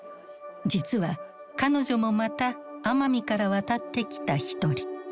実は彼女もまた奄美から渡ってきた一人。